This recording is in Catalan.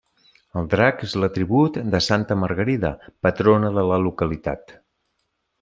El drac és l'atribut de santa Margarida, patrona de la localitat.